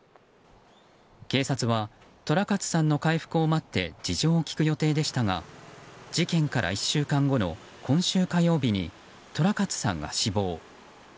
警察は、寅勝さんの回復を待って事情を聴く予定でしたが事件から１週間後の今週火曜日に寅勝さんが死亡。